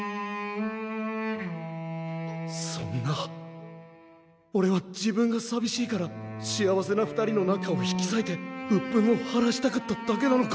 そんなおれは自分がさびしいから幸せな２人の仲を引きさいてうっぷんを晴らしたかっただけなのか？